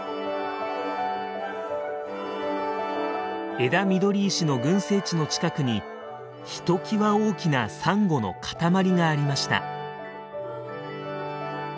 エダミドリイシの群生地の近くにひときわ大きなサンゴの塊がありました。